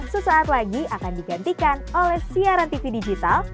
sesaat lagi akan digantikan oleh siaran tv digital